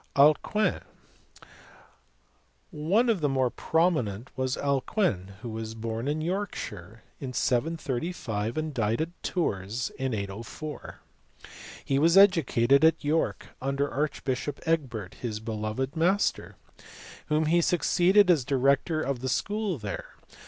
Alcuin f. Of these the more prominent was Alcuin who was born in Yorkshire in 735 and died at Tours in 804. He was educated at York under archbishop Egbert his "beloved master" whom he succeeded as director of the school there.